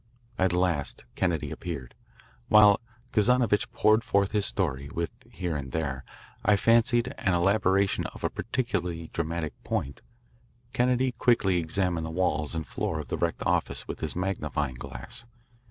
At last Kennedy appeared. While Kazanovitch poured forth his story, with here and there, I fancied, an elaboration of a particularly dramatic point, Kennedy quickly examined the walls and floor of the wrecked office with his magnifying glass.